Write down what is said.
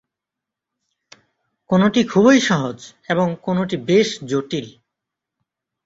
কোনটি খুবই সহজ এবং কোনটি বেশ জটিল।